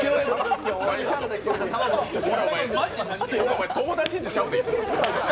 お前、友達んちちゃうで。